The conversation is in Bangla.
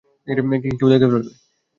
কেউ দেখে ফেলবে।